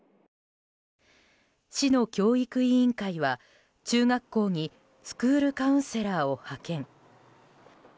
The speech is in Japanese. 市の教育委員会は、中学校にスクールカウンセラーを派遣。